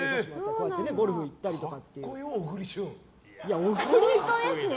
こうやってゴルフに行ったりとか。